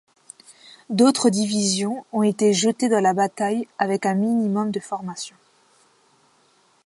D’autres divisions ont été jetées dans la bataille avec un minimum de formation.